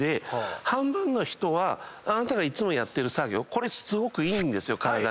半分の人は「あなたがいつもやってる作業すごくいいんですよ体に」って伝えてます。